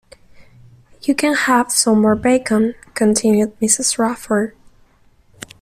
“You can have some more bacon,” continued Mrs. Radford.